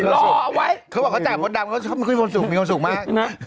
เขาบอกว่าเขาจ่ายโมดดำเขาไม่คุยความสุขมีความสุขมาก